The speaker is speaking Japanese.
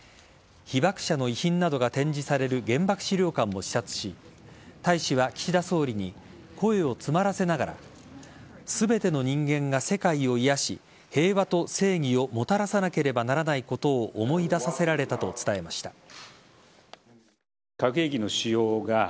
被爆者の遺品などが展示される原爆資料館も視察し大使は岸田総理に声を詰まらせながら全ての人間が世界を癒やし平和と正義をもたらさなければならないことを思い出させられたと伝えました。